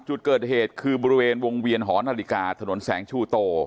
จุดเกิดเหตุคือบริเวณวงเวียนหอนาฬิกาถนนแสงชูโต